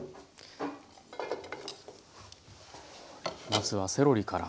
まずはセロリから。